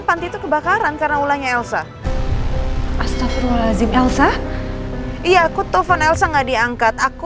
posisi kebakarannya dimana